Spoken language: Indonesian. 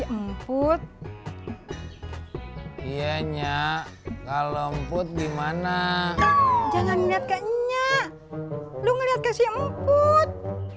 emput iyanya kalau emput gimana jangan ngeliat kayaknya lu ngeliat kasih emput